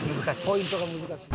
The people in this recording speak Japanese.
ポイントが難しい。